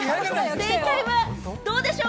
正解は、どうでしょう？